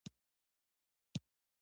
دا شعار ډیر تکراري او روښانه دی